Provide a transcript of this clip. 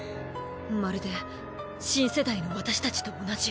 まるで新世代の私たちと同じ。